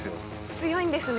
強いんですね。